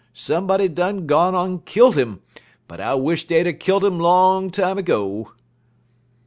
Somebody done gone en kilt 'im, en I wish dey'd er kilt 'im long time ago.'